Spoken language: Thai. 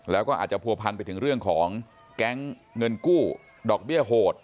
แล้วก็อาจจะผัวพันไปถึงเรื่องของแก๊งเงินกู้ดอกเบี้ยโหด